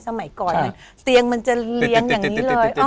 สมัยก่อนเตียงมันจะเลี้ยงอย่างนี้เลย